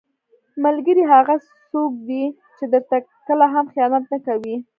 ملګری هغه څوک دی چې درته کله هم خیانت نه کوي.